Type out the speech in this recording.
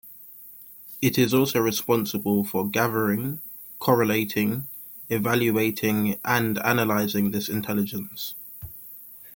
It is also responsible for gathering, correlating, evaluating and analysing this intelligence.